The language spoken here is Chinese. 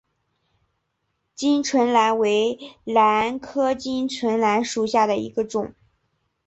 巾唇兰为兰科巾唇兰属下的一个种。